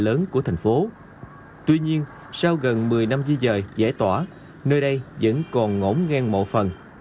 lớn của tp hcm tuy nhiên sau gần một mươi năm di dời giải tỏa nơi đây vẫn còn ngỗng ngang mộ phần